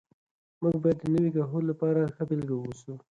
موږ باید د نوي کهول لپاره ښه بېلګه واوسو.